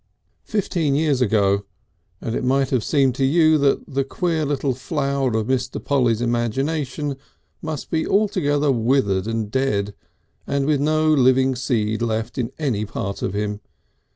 Fifteen years ago, and it might have seemed to you that the queer little flower of Mr. Polly's imagination must be altogether withered and dead, and with no living seed left in any part of him.